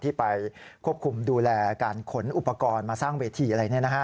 ที่ไปควบคุมดูแลการขนอุปกรณ์มาสร้างเวทีอะไร